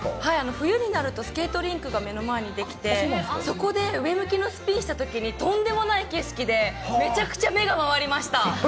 冬になると、スケートリンクが目の前に出来て、そこで上向きのスピンしたときに、とんでもない景色で、めちゃくちゃ目が回りました。